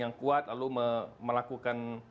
yang kuat lalu melakukan